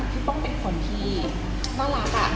ป้องเป็นคนที่น่ารักอะ